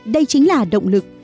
đây chính là động lực